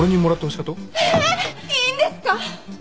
いいんですか？